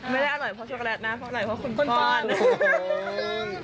ไม่ได้อร่อยเพราะช็อกโกแลตนะเพราะอะไรเพราะคุณป้น